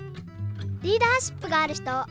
リーダーシップがあるひと。